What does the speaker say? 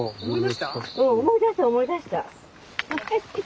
うん思い出した思い出した。